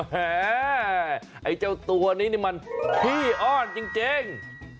แหมไอ้เจ้าตัวนี้มันพี่อ้อนจริง